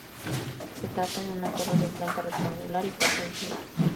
Se trata de una torre de planta rectangular y cuatro alturas.